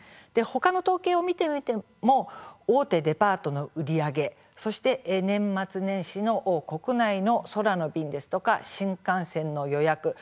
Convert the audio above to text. ほかの統計を見てみても大手デパートの売り上げそして年末年始の国内の空の便ですとか新幹線の予約